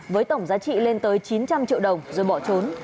với tổng giá trị lên tới chín trăm linh triệu đồng rồi bỏ trốn